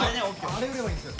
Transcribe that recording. あれ売ればいいんすよ。